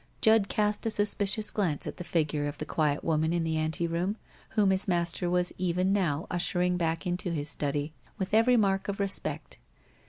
Judd cast a suspicious glance at the figure of the quiet woman in the anteroom, whom his master was even now ushering back into his study with every mark of respect.